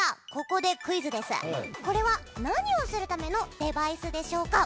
これは何をするためのデバイスでしょうか？